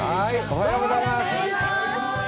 おはようございます。